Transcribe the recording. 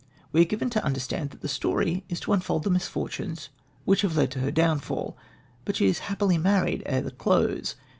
We are given to understand that the story is to unfold the misfortunes which have led to her downfall, but she is happily married ere the close.